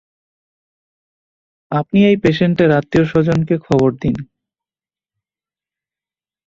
আপনি এই পেশেন্টের আত্মীয়স্বজনকে খবর দিন।